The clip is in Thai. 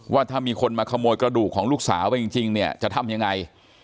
ว่าถ้ามีคนมาขโมยกระดูกของลูกสาวไปจริงเนี่ยจะทำยังไง